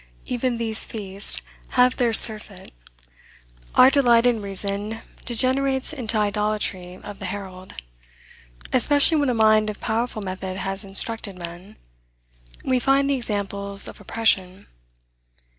Even these feasts have their surfeit. Our delight in reason degenerates into idolatry of the herald. Especially when a mind of powerful method has instructed men, we find the examples of oppression.